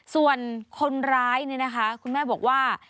ส่วนคนร้ายเนี่ยนะคะคุณแม่บอกว่า